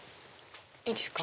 いいですか？